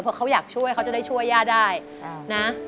เพราะเขาอยากช่วยเขาจะได้ช่วยย่าได้นะ